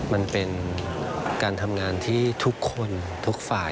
มันเป็นการทำงานที่ทุกคนทุกฝ่าย